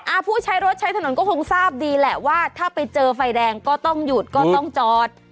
ผู้ใช้รถใช้ถนนก็คงทราบดีแหละว่าถ้าไปเจอไฟแดงก็ต้องหยุดก็ต้องจอด